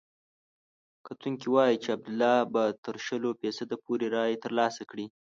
کتونکي وايي چې عبدالله به تر شلو فیصدو پورې رایې ترلاسه کړي.